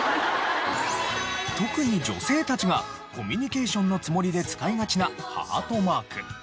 特に女性たちがコミュニケーションのつもりで使いがちなハートマーク。